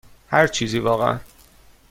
هر چیزی، واقعا.